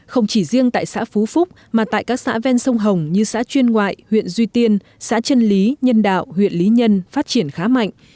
không chỉ riêng tại xã phú phúc mà tại các xã ven sông hồng như xã chuyên ngoại huyện duy tiên xã trân lý nhân đạo huyện lý nhân phát triển khá mạnh